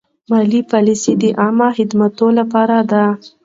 مالي پالیسي د عامه خدماتو لپاره ده.